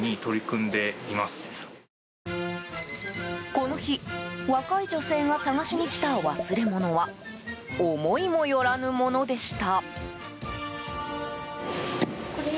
この日若い女性が探しにきた忘れ物は思いもよらぬものでした。